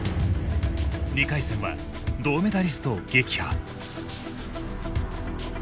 ２回戦は銅メダリストを撃破。